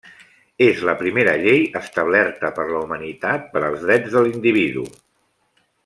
És la primera llei establerta per la humanitat per als drets de l'individu.